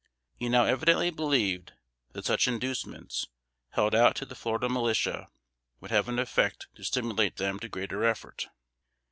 He now evidently believed that such inducements, held out to the Florida militia, would have an effect to stimulate them to greater effort.